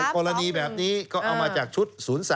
กรณีแบบนี้ก็เอามาจากชุด๐๓